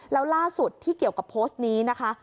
แล้วล่าสุดที่เกี่ยวกับโพสต์นี้นะคะ